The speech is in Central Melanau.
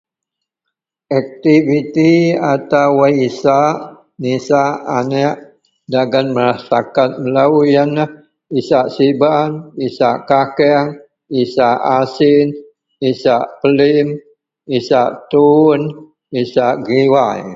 Aktiviti atau wak isak nisak anek dagen masaraket melo iyenlah isak siban isak kakeang isak asin isak pelim isak tuwon isak giwai.